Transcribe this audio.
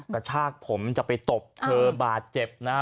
กระชากผมจะไปตบเธอบาดเจ็บนะฮะ